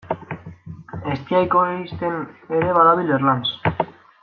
Eztia ekoizten ere badabil Erlanz.